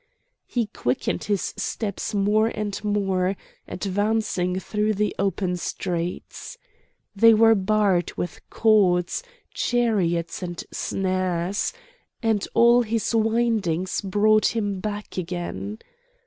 He quickened his steps more and more, advancing through the open streets. They were barred with cords, chariots, and snares; and all his windings brought him back again.